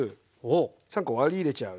３コ割り入れちゃう。